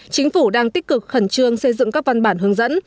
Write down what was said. chính phủ đang tích cực khẩn trương xây dựng các văn bản hướng dẫn